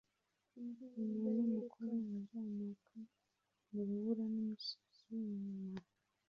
Umuntu mukuru azamuka mu rubura n'umusozi inyuma